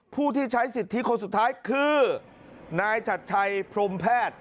ผู้ที่ใช้สิทธิคนสุดท้ายคือนายชัดชัยพรมแพทย์